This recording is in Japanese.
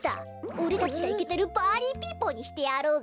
おれたちがイケてるパーリーピーポーにしてやろうぜ。